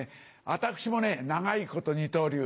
私もね長いこと二刀流。